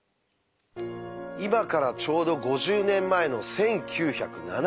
今からちょうど５０年前の１９７２年。